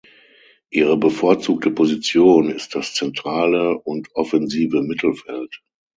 Ihre bevorzugte Position ist das zentrale und offensive Mittelfeld.